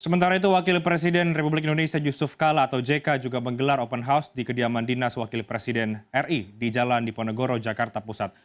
sementara itu wakil presiden republik indonesia yusuf kala atau jk juga menggelar open house di kediaman dinas wakil presiden ri di jalan diponegoro jakarta pusat